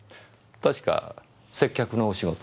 確か接客のお仕事を。